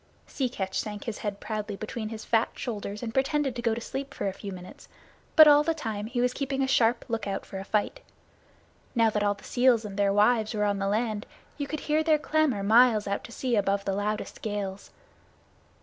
Sea Catch sunk his head proudly between his fat shoulders and pretended to go to sleep for a few minutes, but all the time he was keeping a sharp lookout for a fight. Now that all the seals and their wives were on the land, you could hear their clamor miles out to sea above the loudest gales.